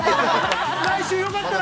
◆来週よかったら。